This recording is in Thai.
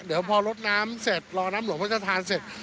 เดี๋ยวพอลดน้ำเสร็จรอน้ำหลวงพระเจ้าธานเสร็จ